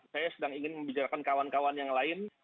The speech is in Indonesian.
saya sedang ingin membicarakan kawan kawan yang lain